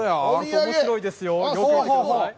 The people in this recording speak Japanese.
おもしろいですよ、よく見てください。